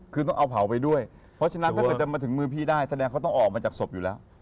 คือต้องเอาเผาไปด้วยเพราะฉะนั้นถ้าเกิดจะมาถึงมือพี่ได้แสดงเขาต้องออกมาจากศพอยู่แล้ว